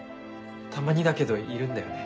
たまにだけどいるんだよね。